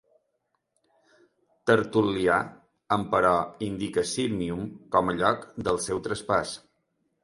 Tertul·lià, emperò, indica Sírmium com a lloc del seu traspàs.